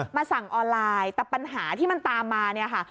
สั่งออนไลน์แต่ปัญหาที่มันตามมาเนี่ยค่ะ